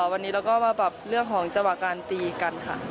วันนี้เราก็มาปรับเรื่องของจังหวะการตีกันค่ะ